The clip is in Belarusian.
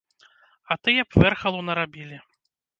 А тыя б вэрхалу нарабілі.